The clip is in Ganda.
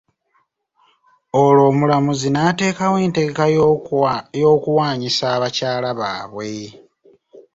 Olwo omulamuzi n'atekawo entegeka y'okuwanyisa abakyala baabwe.